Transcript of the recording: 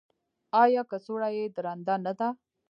ایا کڅوړه یې درنده نه ده؟